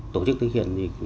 tổ chức thực hiện